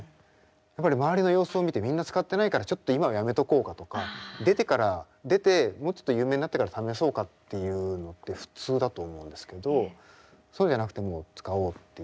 やっぱり周りの様子を見てみんな使ってないからちょっと今はやめとこうかとか出てから出てもうちょっと有名になってから試そうかっていうのって普通だと思うんですけどそうじゃなくてもう使おうっていう。